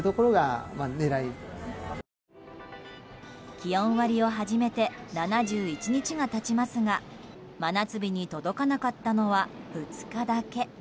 気温割を始めて７１日が経ちますが真夏日に届かなかったのは２日だけ。